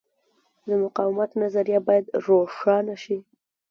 د مقاومت نظریه باید روښانه شي.